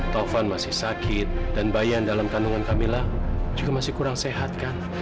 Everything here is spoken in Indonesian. taufan masih sakit dan bayi yang dalam kandungan kamilah juga masih kurang sehat kan